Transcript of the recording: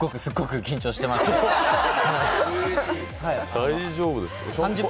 大丈夫ですか？